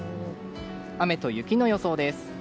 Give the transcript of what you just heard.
雨と雪の予想です。